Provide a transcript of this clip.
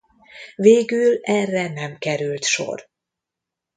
Végül erre nem került sor.